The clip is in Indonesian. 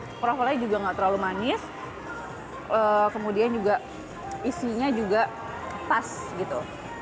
kroffelnya juga nggak terlalu manis kemudian juga isinya juga pas gitu